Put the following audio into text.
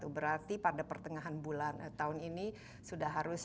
berarti pada pertengahan bulan tahun ini sudah harus